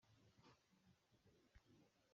Ahots handiak, baina emozio gutxi.